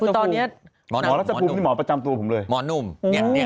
คุณตอนนี้หมอรัชภูมิหมอประจำตัวผมเลยหมอหนุ่มอย่างนี้นี่